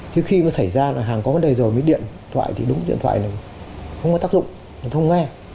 chứ khi nó xảy ra là hàng có vấn đề rồi mới điện thoại thì đúng điện thoại này không có tác dụng nó không nghe